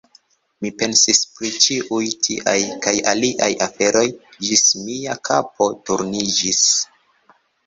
Mi pensis pri ĉiuj tiaj kaj aliaj aferoj, ĝis mia kapo turniĝis.